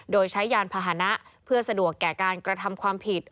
โดยใช้ยานพาหนะเพื่อสะดวกแก่การกระทำความผิด